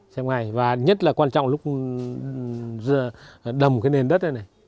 xem ngày và nhất là quan trọng lúc đầm cái nền đất này này